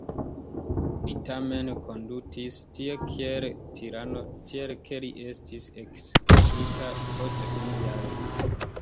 Li tamen kondutis tie kiel tirano, tiel ke li estis eksigita post unu jaro.